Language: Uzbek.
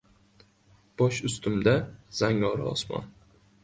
Bosh ustimda zangori osmon